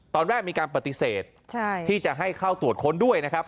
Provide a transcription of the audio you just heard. ตอนแรกมีการปฏิเสธที่จะให้เข้าตรวจค้นด้วยนะครับ